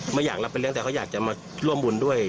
ไม่อยากรับเป็นเรื่องแต่เขาอยากจะมาร่วมบุญด้วย